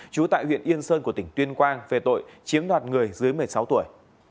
trú tại huyện yên sơn của tỉnh tuyên quang về tội chiếm đoạt người dưới một mươi sáu tuổi